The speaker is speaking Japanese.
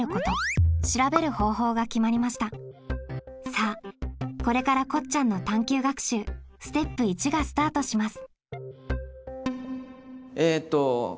さあこれからこっちゃんの探究学習ステップ①がスタートします。